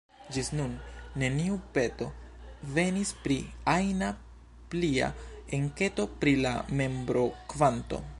Ĝis nun, neniu peto venis pri ajna plia enketo pri la membrokvanto.